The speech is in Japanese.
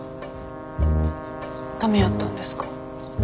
ダメやったんですか？